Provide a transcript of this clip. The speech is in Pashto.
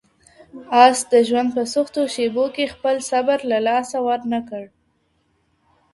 آس د ژوند په سختو شېبو کې خپل صبر له لاسه ورنه کړ.